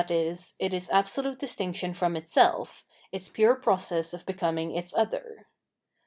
e. it is absolute distinction from itself, its pure process of becoming its other.